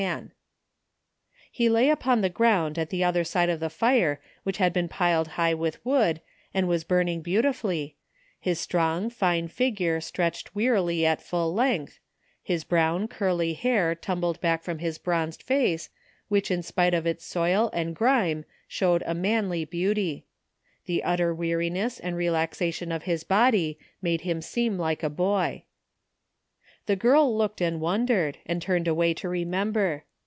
38 THE FINDING OF JASPEE HOLT He lay upon the ground at the other side of the fire which had been piled high with wood and was burn ing beautifully, his strong fine figure stretched wearily at full length, the brown curly hair tumbled back from his bronzed face, which in spite of its soil and grime showed a manly beauty. The utter weariness and re laxation of his body made him seem like a boy. The girl looked and wondered, and turned away to remember.